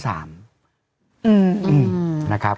หืออฮือนะครับ